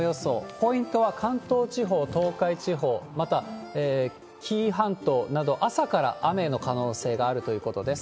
ポイントは関東地方、東海地方、また紀伊半島など、朝から雨の可能性があるということです。